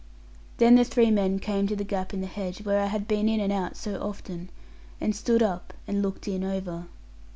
Then the three men came to the gap in the hedge, where I had been in and out so often; and stood up, and looked in over.